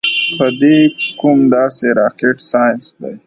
پۀ دې کوم داسې راکټ سائنس دے -